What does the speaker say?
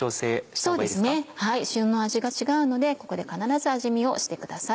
はい塩の味が違うのでここで必ず味見をしてください。